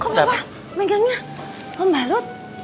kok papa megangnya membalut